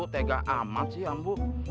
tegak amat sih ambu